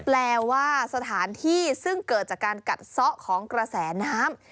แปลว่าสถานที่ซึ่งเกิดจากการกัดซ้อของกระแสน้ำ